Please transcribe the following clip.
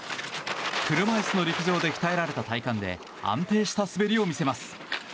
車いすの陸上で鍛えられた体幹で安定した滑りを見せます。